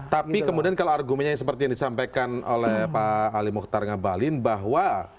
tapi kemudian kalau argumennya seperti yang disampaikan oleh pak ali mokhtar ngabalin bahwa